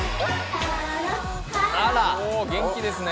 あら元気ですね。